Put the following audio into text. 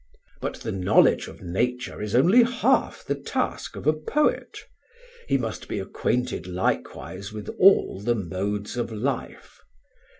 "But the knowledge of nature is only half the task of a poet; he must be acquainted likewise with all the modes of life.